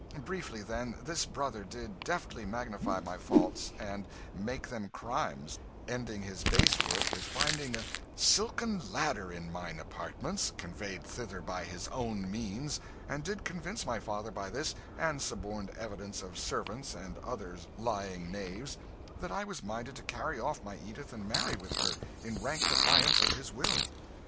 Briefly, then, this brother did deftly magnify my faults and make them crimes; ending his base work with finding a silken ladder in mine apartments conveyed thither by his own means and did convince my father by this, and suborned evidence of servants and other lying knaves, that I was minded to carry off my Edith and marry with her in rank defiance of his will.